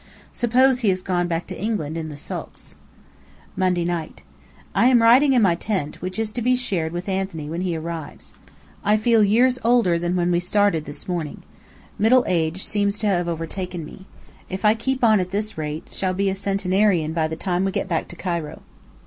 Suppose he has gone back to England in the sulks. Monday Night: I am writing in my tent, which is to be shared with Anthony when he arrives. I feel years older than when we started this morning. Middle age seems to have overtaken me. If I keep on at this rate, shall be a centenarian by the time we get back to Cairo.